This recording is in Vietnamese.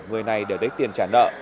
người này để đếch tiền trả nợ